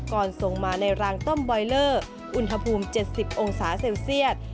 ส่งมาในรางต้มบอยเลอร์อุณหภูมิ๗๐องศาเซลเซียต